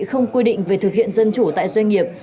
không quy định về thực hiện dân chủ tại doanh nghiệp